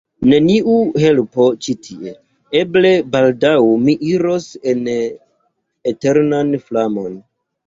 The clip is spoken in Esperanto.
neniu helpo ĉi tie: eble baldaŭ mi iros en eternan flamon.